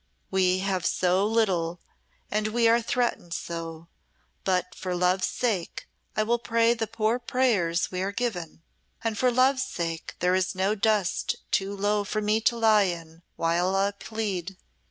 We have so little, and we are threatened so; but for love's sake I will pray the poor prayers we are given, and for love's sake there is no dust too low for me to lie in while I plead."